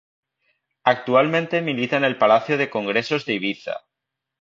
Actualmente milita en el Palacio de Congresos de Ibiza.